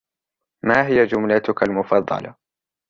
ما هي جملتك المفضلة ؟